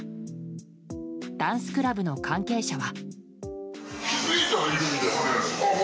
ダンスクラブの関係者は。